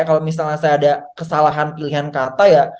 kalau misalnya saya ada kesalahan pilihan kata ya